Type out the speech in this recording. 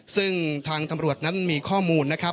ซึ่งทางตำรวจนั้นมีข้อมูลนะครับ